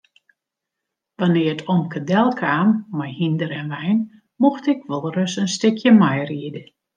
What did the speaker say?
Wannear't omke delkaam mei hynder en wein mocht ik wolris in stikje meiride.